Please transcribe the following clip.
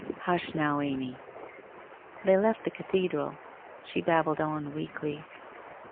1 Hush, now, Amy.' They left the cathedral. She babbled on weakly.